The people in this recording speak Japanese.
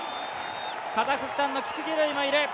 カザフスタンのキプキルイもいる。